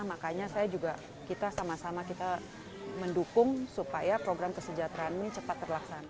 makanya saya juga kita sama sama kita mendukung supaya program kesejahteraan ini cepat terlaksana